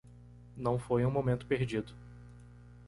Não foi um momento perdido.